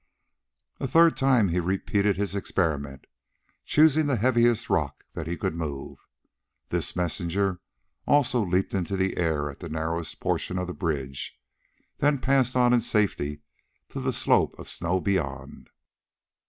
A third time he repeated his experiment, choosing the heaviest rock that he could move. This messenger also leaped into the air at the narrowest portion of the bridge, then passed on in safety to the slope of snow beyond.